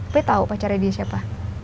pi tau pacarnya dia siapa